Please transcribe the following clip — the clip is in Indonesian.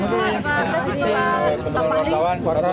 pak ketua luar tawan